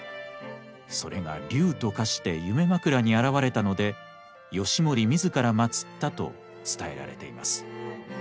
それが龍と化して夢枕に現れたので義盛自ら祀ったと伝えられています。